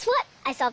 そう！